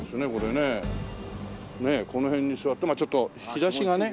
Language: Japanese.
ねえこの辺に座ってまあちょっと日差しがね。